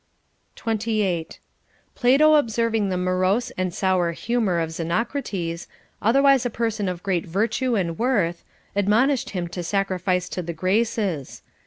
28. Plato observing the morose and sour humor of Xenocrates, otherwise a person of great virtue and worth, admonished him to sacrifice to the Graces.